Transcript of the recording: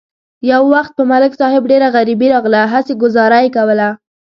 یو وخت په ملک صاحب ډېره غریبي راغله، هسې گذاره یې کوله.